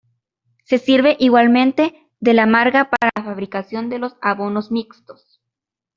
Se sirve igualmente de la marga para la fabricación de los abonos mixtos.